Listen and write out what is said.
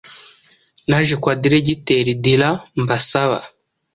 Naje kwa diregiteri Dylan mbasaba: '